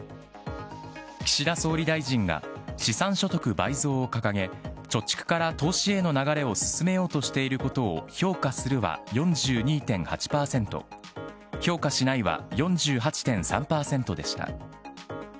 岸田総理大臣が資産所得倍増を掲げ、貯蓄から投資への流れを進めようとしていることを評価するは４２．８％、評価しないは４８．３％でした。